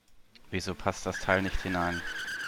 Wieso passt das Teil nicht hinein?